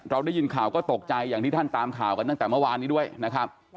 ได้ยินข่าวก็ตกใจอย่างที่ท่านตามข่าวกันตั้งแต่เมื่อวานนี้ด้วยนะครับ